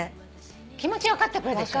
気持ち分かってくれるでしょ？